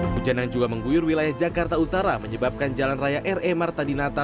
hujan yang juga mengguyur wilayah jakarta utara menyebabkan jalan raya re marta dinata